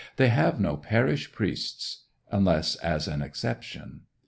They have no parish priests, unless as an exception.